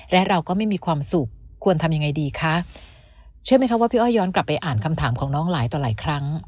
และเราก็ไม่มีความสุขควรทำยังไงดีคะเชื่อไหมคะว่าพี่อ้อยย้อนกลับไปอ่านคำถามของน้องหลายต่อหลายครั้ง